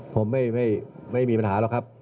ผมไม่ไม่ไม่มีไม่มีปัญหาหรอกครับ